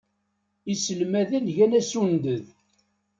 Iselmaden gan asunded.